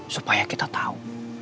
supaya kita tahu